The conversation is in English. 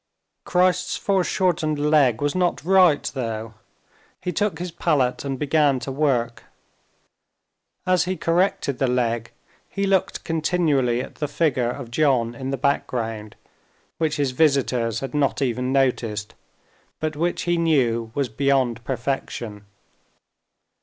Christ's foreshortened leg was not right, though. He took his palette and began to work. As he corrected the leg he looked continually at the figure of John in the background, which his visitors had not even noticed, but which he knew was beyond perfection.